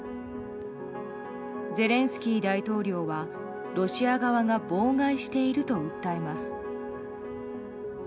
ゼレンスキー大統領はロシア側が妨害していると訴えます。